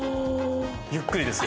ゆっくりですよ。